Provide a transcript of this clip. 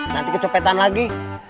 nanti kecopetan lagi